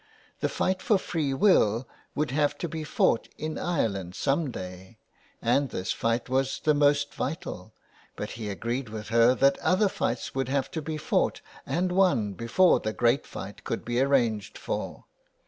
The fight for free will would have to be fought in Ireland some day, and this fight 330 THE WILD GOOSE. was the most vital ; but he agreed with her that other fights would have to be fought and won before the great fight could be arranged for.